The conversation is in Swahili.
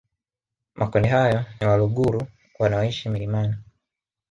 Makundi hayo ni Waluguru wanaoishi milimani